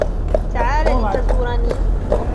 تعال لتزورني.